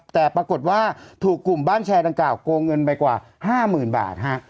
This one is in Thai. แต่ปรากฏว่าถูกกลุ่มบ้านแชร์ดังกล่าวโกงเงินไปกว่า๕๐๐๐บาทฮะ